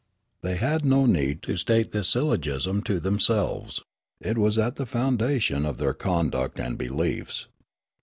They had no need to state this syllogism to them selves ; it was at the foundation of their conduct and beliefs.